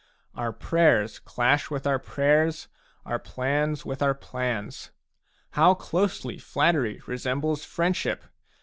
Our prayers clash with our prayers, our plans with our plans. How closely flattery resembles friendship